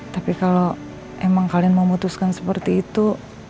tapi kalau emang kalian memutuskan seperti itu